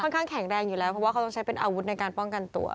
ข้างแข็งแรงอยู่แล้วเพราะว่าเขาต้องใช้เป็นอาวุธในการป้องกันตัว